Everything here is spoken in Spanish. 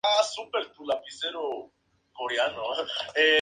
Se desempeñó como corresponsal de la agencia Prensa Latina en Chile.